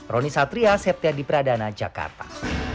roni satria septia di pradana jakarta